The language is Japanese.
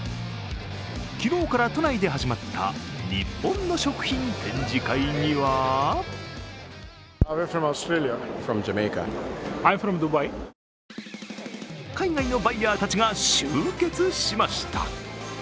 昨日から都内で始まった日本の食品展示会には海外のバイヤーたちが集結しました。